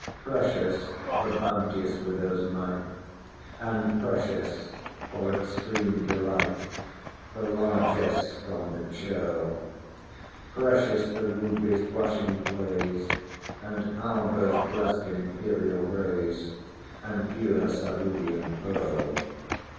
Precious the bounteous widow's mite; And precious, for extreme delight, The largess from the churl:Precious the ruby's blushing blaze, And alba's blest imperial rays, And pure cerulean pearl.